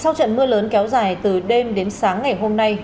sau trận mưa lớn kéo dài từ đêm đến sáng ngày hôm nay